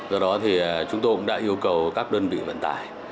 do đó thì chúng tôi cũng đã yêu cầu các đơn vị vận tải